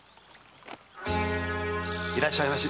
〔いらっしゃいまし。